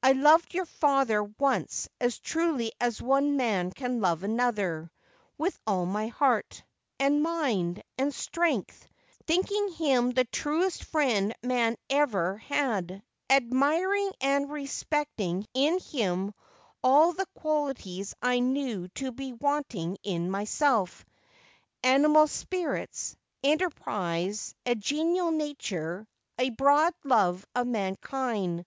1 loved your father once as truly as one man can love another ; with all my heart, and mind, and strength, thinking him the truest friend man ever had ; admiring and respecting in him all the qualities I knew to be wanting in myself ; animal spirits, enterprise, a genial nature, a broad love of mankind.